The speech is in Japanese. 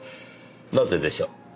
なぜでしょう？